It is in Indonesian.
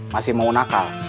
masih mau nakal